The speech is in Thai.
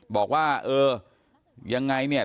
บอกว่าเอ่อยังไงใช่ไหม